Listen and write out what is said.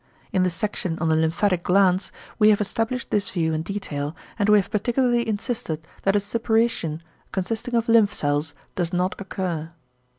In the section on the lymphatic glands, we have established this view in detail, and we have particularly insisted that a suppuration, consisting of lymph cells, does not occur.